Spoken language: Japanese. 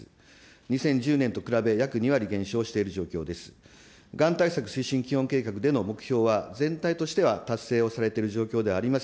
２０１０年と比べ約２割減少している状況です。